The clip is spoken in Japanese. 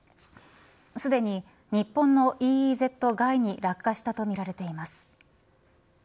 すでに日本のＥＥＺ外に落下したとみられています。